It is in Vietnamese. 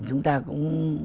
chúng ta cũng